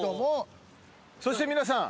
そして皆さん。